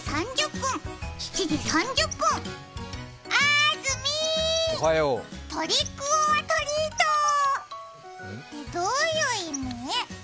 あーずみー、トリック・オア・トリート！って、どういう意味？